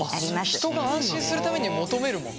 人が安心するために求めるもの？